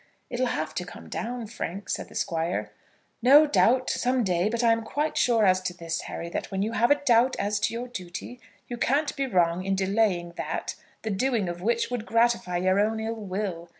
"It'll have to come down, Frank," said the Squire. "No doubt, some day. But I am quite sure as to this, Harry; that when you have a doubt as to your duty, you can't be wrong in delaying that, the doing of which would gratify your own ill will.